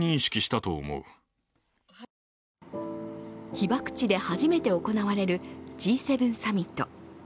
被爆地で初めて行われるＧ７サミット。